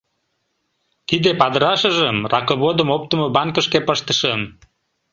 Тиде падырашыжым ракыводым оптымо банкышке пыштышым.